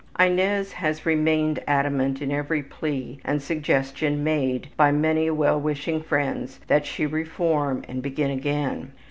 Inez has remained adamant to every plea and suggestion made by many well wishing friends that she reform and begin again.